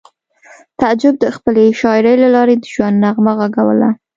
تعجب د خپلې شاعرۍ له لارې د ژوند نغمه غږوله